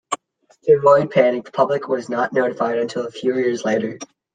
To avoid panic, the public was not notified until a few years later.